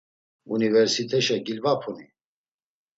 Universiteşe gilvapuni?